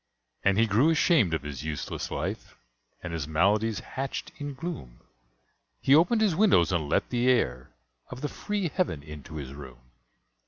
And he grew ashamed of his useless life, And his maladies hatched in gloom; He opened his windows and let the air Of the free heaven into his room.